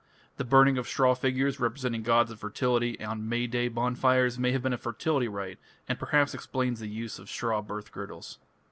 The burning of straw figures, representing gods of fertility, on May Day bonfires may have been a fertility rite, and perhaps explains the use of straw birth girdles.